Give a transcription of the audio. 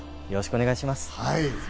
よろしくお願いします。